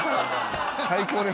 最高です。